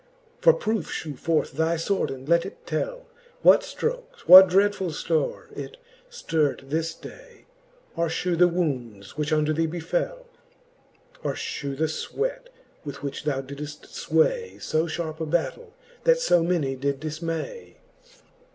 For proofe fhew forth thy fword, and let it tell, What ftrokes, what dreadfuU ftoure it ftird this day : Or fhew the wounds, which unto thee befell j Or fhew the fweat, with which thou diddeft fway So fharpe a battell, that lb many did difhiay.